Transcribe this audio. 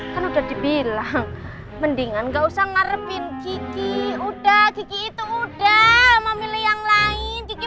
kan udah dibilang mendingan enggak usah ngarepin gigi udah gigi itu udah memilih yang lain gigi